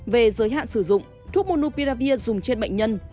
về giới hạn sử dụng thuốc monupiravir dùng trên bệnh nhân